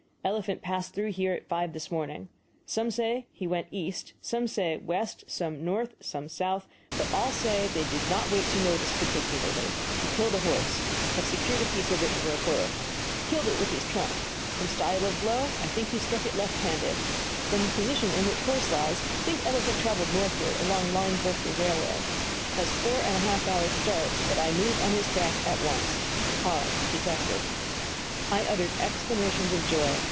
Elephant passed through here at five this morning. Some say he went east some say west, some north, some south but all say they did not wait to notice, particularly. He killed a horse; have secured a piece of it for a clue. Killed it with his trunk; from style of blow, think he struck it left handed. From position in which horse lies, think elephant traveled northward along line of Berkley Railway. Has four and a half hours' start, but I move on his track at once. HAWES, Detective I uttered exclamations of joy.